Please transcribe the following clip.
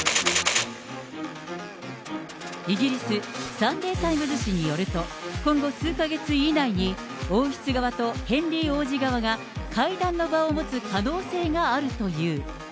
イギリス、サンデー・タイムズ紙によると、今後数か月以内に、王室側とヘンリー王子側が、会談の場を持つ可能性があるという。